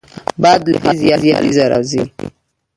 باد له ختیځ یا لوېدیځه راځي